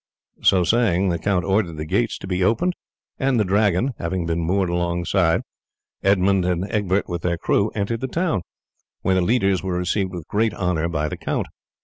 So saying the count ordered the gates to be opened, and the Dragon having been moored alongside, Edmund and Egbert with their crew entered the town, where the leaders were received with great honour by the count.